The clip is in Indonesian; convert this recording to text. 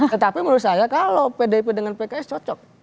tetapi menurut saya kalau pdip dengan pks cocok